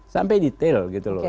sampai detail gitu loh